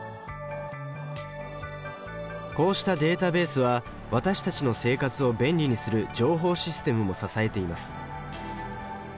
こうしたデータベースは私たちの生活を便利にする情報システムも支えています。